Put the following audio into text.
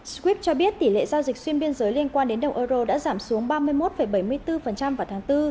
skyp cho biết tỷ lệ giao dịch xuyên biên giới liên quan đến đồng euro đã giảm xuống ba mươi một bảy mươi bốn vào tháng bốn